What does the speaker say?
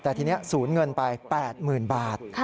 แต่ทีนี้ศูนย์เงินไป๘๐๐๐บาท